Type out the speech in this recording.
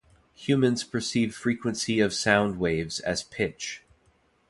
Humans perceive frequency of sound waves as pitch.